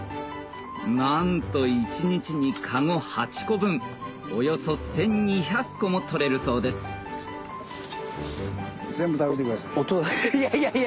なんと一日にカゴ８個分およそ１２００個も取れるそうですいやいや！